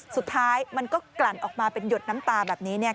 สุดท้ายมันก็กลั่นออกมาเป็นหยดน้ำตาแบบนี้เนี่ย